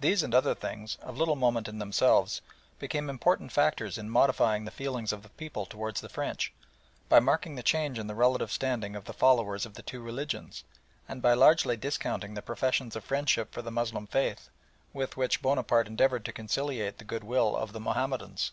These and other things, of little moment in themselves, became important factors in modifying the feelings of the people towards the French, by marking the change in the relative standing of the followers of the two religions, and by largely discounting the professions of friendship for the Moslem faith with which Bonaparte endeavoured to conciliate the goodwill of the Mahomedans.